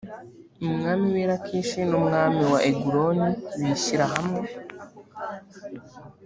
umwami w’i lakishi n’umwami wa eguloni bishyira hamwe